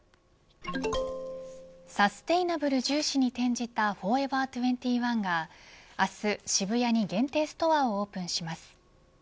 サステイナブル重視に転じたフォーエバー２１が明日渋谷に限定ストアをオープンします。